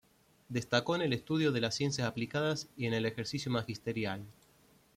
Destacó en el estudio de las ciencias aplicadas y en el ejercicio magisterial.